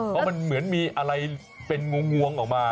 เพราะมันเหมือนมีอะไรเป็นงวงออกมา